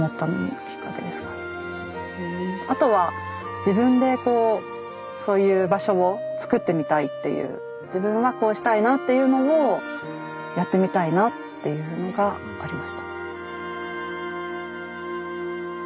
あとは自分でこうそういう場所を作ってみたいっていう自分はこうしたいなっていうのをやってみたいなっていうのがありました。